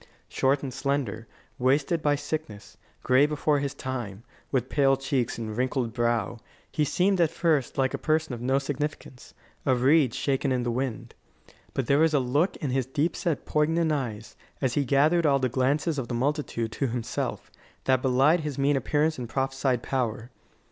Short and slender, wasted by sickness, gray before his time, with pale cheeks and wrinkled brow, he seemed at first like a person of no significance a reed shaken in the wind. But there was a look in his deep set, poignant eyes, as he gathered all the glances of the multitude to himself, that belied his mean appearance and prophesied power.